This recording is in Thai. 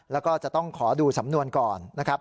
แล้วก็จะต้องขอดูสำนวนก่อนนะครับ